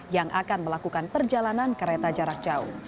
yang akan melakukan perjalanan kereta jarak jauh